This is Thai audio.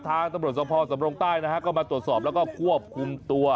ทางตำรวจสภสำรงใต้นะฮะก็มาตรวจสอบแล้วก็ควบคุมตัว